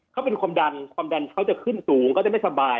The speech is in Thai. เขาเป็นความดันเขาจะขึ้นตูงเขาจะไม่สบาย